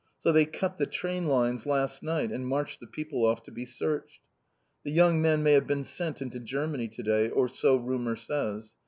So they cut the train lines last night, and marched the people off to be searched. The young men have been sent into Germany to day. Or so rumour says.